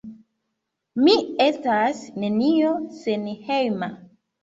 Mi estas nenio senhejma...